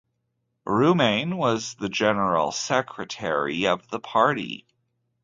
Roumain was the general secretary of the party.